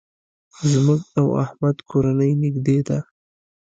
زموږ او احمد کورنۍ نېږدې ده.